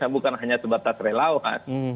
bukan hanya sebatas relawan